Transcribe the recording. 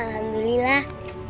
aku baik om alhamdulillah